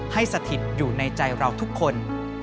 สถิตอยู่ในใจเราทุกคน